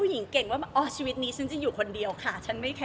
จริงมันมีเรื่องมือที่๓ไหมคะ